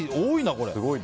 これ。